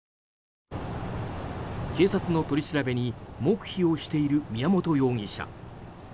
警察の取り調べに黙秘をしている宮本容疑者。